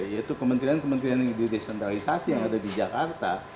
yaitu kementerian kementerian yang didesentralisasi yang ada di jakarta